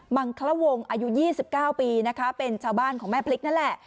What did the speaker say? มังคลวงอายุ๒๙ปีนะคะเป็นชาวบ้านของแม่พริกนั่นแหละ